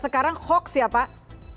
sekarang hoax ya pak